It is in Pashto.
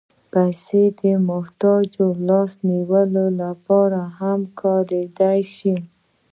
پېسې د محتاجو لاس نیولو لپاره هم کارېدای شي.